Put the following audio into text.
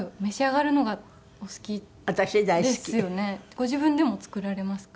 ご自分でも作られますか？